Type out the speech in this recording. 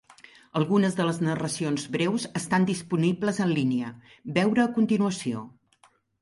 Algunes de les narracions breus estan disponibles en línia; veure a continuació.